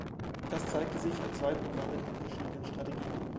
Das zeigte sich an zwei Programmen mit verschiedenen Strategien.